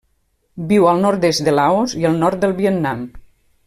Viu al nord-est de Laos i el nord del Vietnam.